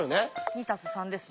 「２＋３」ですね。